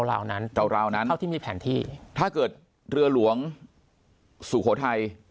ราวนั้นราวราวนั้นเท่าที่มีแผนที่ถ้าเกิดเรือหลวงสุโขทัย